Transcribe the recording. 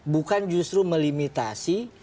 bukan justru melimitasi